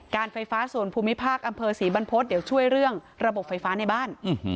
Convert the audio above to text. ไฟฟ้าส่วนภูมิภาคอำเภอศรีบรรพฤษเดี๋ยวช่วยเรื่องระบบไฟฟ้าในบ้าน